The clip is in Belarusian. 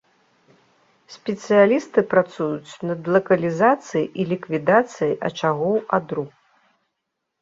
Спецыялісты працуюць над лакалізацыяй і ліквідацыяй ачагоў адру.